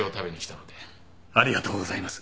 ありがとうございます。